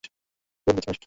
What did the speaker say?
উঠ, বিছানায় এসে শোও।